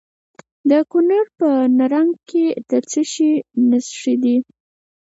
د کونړ په نرنګ کې د څه شي نښې دي؟